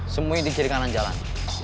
semuanya di kiri kanan jalan